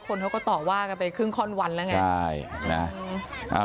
คนเขาก็ต่อว่ากันไปครึ่งค่อนวันแล้วไงใช่น่ะอ่า